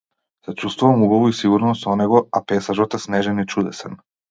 Се чувствувам убаво и сигурно со него, а пејзажот е снежен и чудесен.